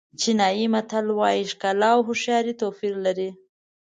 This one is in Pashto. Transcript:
چینایي متل وایي ښکلا او هوښیاري توپیر لري.